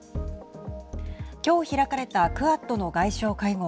今日開かれたクアッドの外相会合。